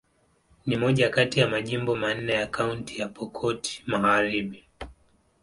Ni moja kati ya majimbo manne ya Kaunti ya Pokot Magharibi.